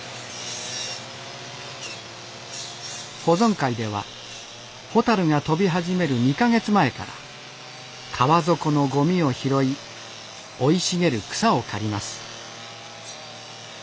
保存会ではホタルが飛び始める２か月前から川底のゴミを拾い生い茂る草を刈ります。